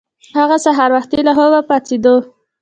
هغه سهار وختي له خوبه پاڅیده.